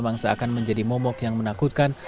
memang seakan menjadi momok yang menakutkan